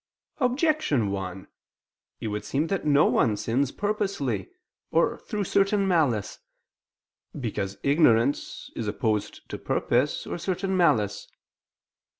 Objection 1: It would seem that no one sins purposely, or through certain malice. Because ignorance is opposed to purpose or certain malice.